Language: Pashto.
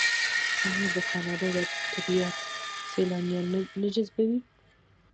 آیا د کاناډا طبیعت سیلانیان نه جذبوي؟